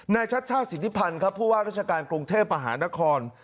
ชัชชาติสิทธิพันธ์ครับผู้ว่าราชการกรุงเทพมหานคร